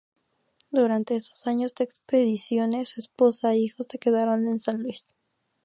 Durante esos años de expediciones, su esposa e hijos se quedaron en San Luis.